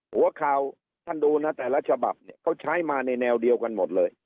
หัวข่าวท่านดูนะแต่ละฉบับเนี่ยเขาใช้มาในแนวเดียวกันหมดเลย